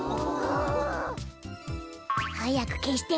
はやくけして。